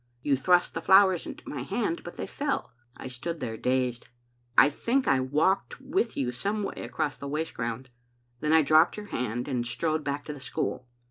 You thrust the flowers into my hand, but they fell. I stood there, dazed. "I think I walked with you some way across the waste ground. Then I dropped your hand and strode back to the school.